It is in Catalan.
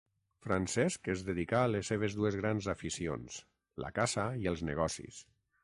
Francesc es dedicà a les seves dues grans aficions, la caça i els negocis.